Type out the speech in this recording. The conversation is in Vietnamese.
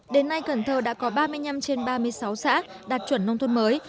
đến nay cần thơ đã có ba mươi năm trên ba mươi sáu xã đạt chuẩn nông thôn mới